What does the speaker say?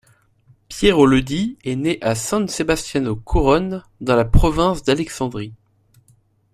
Piero Leddi est né à San Sebastiano Curone dans la Province d'Alexandrie.